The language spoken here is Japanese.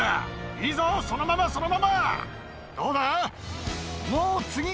いいぞそのままそのままどうだ？